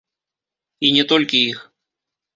І не толькі іх.